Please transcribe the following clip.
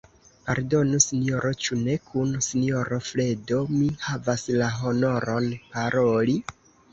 Pardonu, sinjoro, ĉu ne kun sinjoro Fredo mi havas la honoron paroli?